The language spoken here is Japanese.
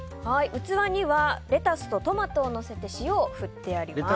器にはレタスとトマトをのせて塩を振ってあります。